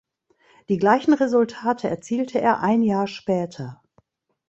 Die gleichen Resultate erzielte er ein Jahr später.